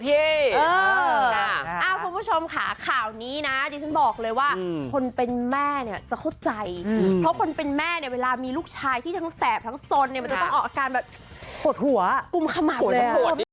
เพราะวิงานให้เราเหนื่อยแต่เรามีความสุขและภาคภูมิใจ